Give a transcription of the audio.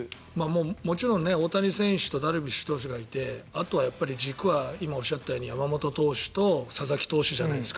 もちろん大谷選手とダルビッシュ投手がいてあとは軸は今おっしゃったように山本投手と佐々木投手じゃないですか。